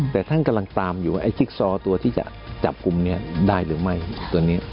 แต่ท่านกำลังตามอยู่ว่าไอ้จิ๊กซอตัวที่จะจับกลุ่มนี้ได้หรือไม่ตัวนี้